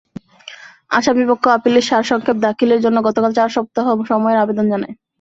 আসামিপক্ষ আপিলের সারসংক্ষেপ দাখিলের জন্য গতকাল চার সপ্তাহ সময়ের আবেদন জানায়।